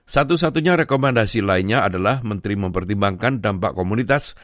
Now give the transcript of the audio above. satu satunya rekomendasi lainnya adalah menteri mempertimbangkan dampak komunitas